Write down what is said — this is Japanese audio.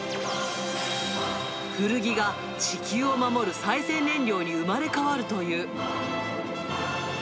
古着が地球を守る再生燃料に生まれ変わるという。